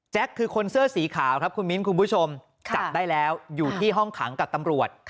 คือคนเสื้อสีขาวครับคุณมิ้นคุณผู้ชมจับได้แล้วอยู่ที่ห้องขังกับตำรวจ